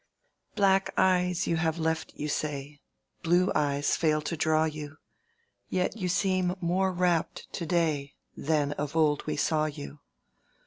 "Black eyes you have left, you say, Blue eyes fail to draw you; Yet you seem more rapt to day, Than of old we saw you.